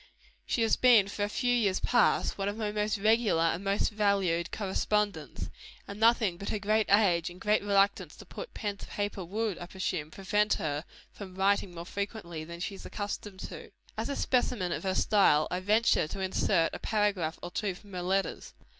She has been for a few years past, one of my most regular and most valued correspondents; and nothing but her great age and great reluctance to put pen to paper, would, I presume, prevent her from writing more frequently than she is accustomed to do. As a specimen of her style, I venture to insert a paragraph or two from her letters.